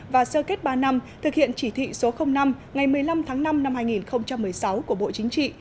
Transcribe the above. và sơ kết ba năm thực hiện chỉ thị số năm ngày một mươi năm tháng năm năm hai nghìn một mươi sáu của bộ chính trị